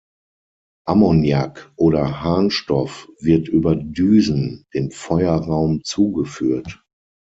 Ammoniak oder Harnstoff wird über Düsen dem Feuerraum zugeführt.